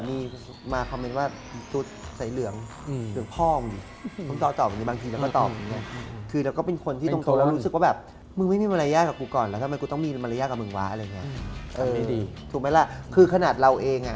มันคือคืนที่ของเรา